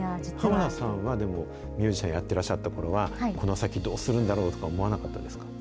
濱田さんはでも、ミュージシャンやってらっしゃったころは、この先どうするんだろうとか、思わなかったですか？